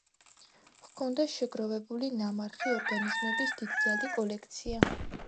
ჰქონდა შეგროვებული ნამარხი ორგანიზმების დიდძალი კოლექცია.